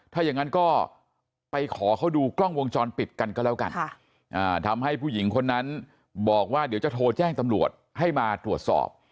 ถ้าอย่างนั้นก็ไปขอเขาดูกล้องวงจรปิดกันก็แล้วกันทำให้ผู้หญิงคนนั้นบอกว่าเดี๋ยวจะโทรแจ้งตำรวจให้มาตรวจสอบ